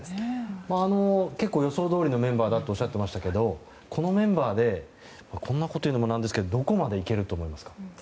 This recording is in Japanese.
予想どおりのメンバーだとおっしゃってましたがこのメンバーでこんなこと言うのもなんですけどどこまでいけると思いますか？